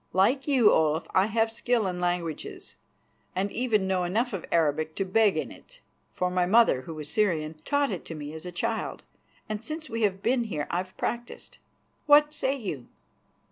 Like you, Olaf, I have skill in languages, and even know enough of Arabic to beg in it, for my mother, who was a Syrian, taught it to me as a child, and since we have been here I have practised. What say you?"